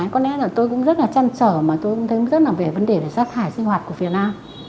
có lẽ là tôi cũng rất là chăn trở mà tôi cũng thấy rất là về vấn đề về rác thải sinh hoạt của việt nam